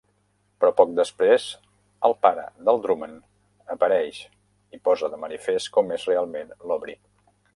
Però poc després el pare del Drumman apareix i posa de manifest com és realment l'Aubrey.